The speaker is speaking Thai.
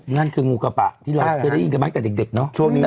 นั่นคืองูกระปะที่เราเคยได้ยินกันมาตั้งแต่เด็กเนอะ